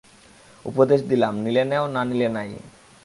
উপদেশ দিলাম, নিলে নেও, না নিলে নাই।